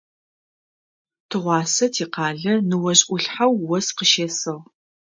Тыгъуасэ тикъалэ ныожъ Ӏулъхьэу ос къыщесыгъ.